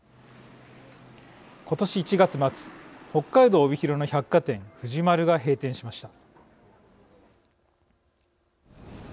今年１月末北海道、帯広の百貨店藤丸が閉店しました。